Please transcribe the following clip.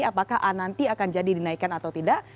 apakah nanti akan jadi dinaikkan atau tidak